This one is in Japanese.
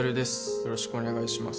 よろしくお願いします